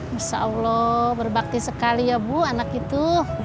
insya allah berbakti sekali ya bu anak itu